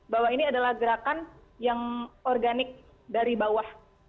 bahwa ini adalah gerakan yang organik dari bawah